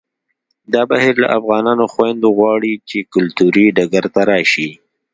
دا بهیر له افغانو خویندو غواړي چې کلتوري ډګر ته راشي